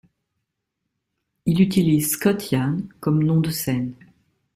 Il utilise Scott Ian comme nom de scène.